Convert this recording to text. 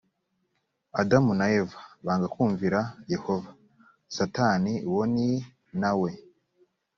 adamu na eva banga kumvira yehova satani uwo ni na we